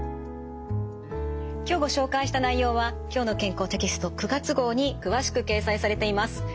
今日ご紹介した内容は「きょうの健康」テキスト９月号に詳しく掲載されています。